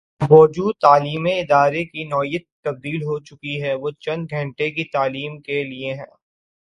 اب بوجوہ تعلیمی ادارے کی نوعیت تبدیل ہو چکی وہ چند گھنٹے کی تعلیم کے لیے ہے۔